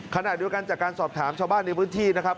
ขณะเดียวกันจากการสอบถามชาวบ้านในพื้นที่นะครับ